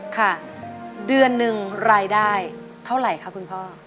ค่ะเดือนหนึ่งรายได้เท่าไหร่คะคุณพ่อ